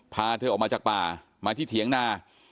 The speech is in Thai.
พาเธอออกมาจากป่ามาที่เถียงนา